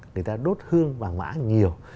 người ta đốt hương vàng mã nhiều